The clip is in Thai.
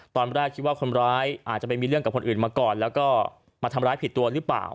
ตอนแรกคิดว่าคนร้ายอาจจะไปมีเรื่องกับคนอื่นมาก่อนแล้วก็มาทำร้ายผิดตัวหรือเปล่า